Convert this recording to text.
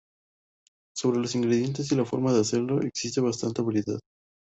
Sobre los ingredientes y la forma de hacerlo existe bastante variedad.